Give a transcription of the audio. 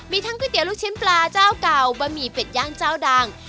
มีทั้งก๋วยเตี๋ยลูกชิ้นปลาเจ้าเก่าบะหมี่เป็ดย่างเจ้าดัง